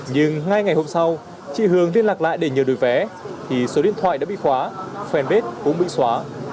nhưng hai ngày hôm sau chị hường liên lạc lại để nhờ được vé thì số điện thoại đã bị khóa fanpage cũng bị xóa